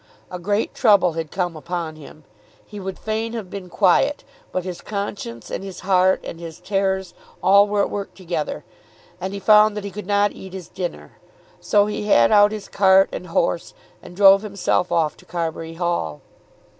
A great trouble had come upon him. He would fain have been quiet, but his conscience and his heart and his terrors all were at work together, and he found that he could not eat his dinner. So he had out his cart and horse and drove himself off to Carbury Hall.